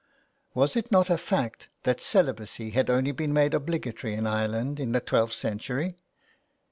Was it not a fact that celibacy had only been made obligatory in Ireland in the twelfth century